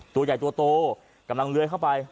ตัวใหญ่ตัวโตกำลังเลื้อยเข้าไป